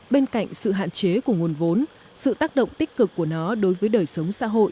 bên cạnh sự hạn chế của nguồn vốn sự tác động tích cực của nó đối với đời sống xã hội